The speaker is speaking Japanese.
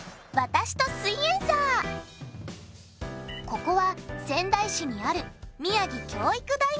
ここは仙台市にある宮城教育大学。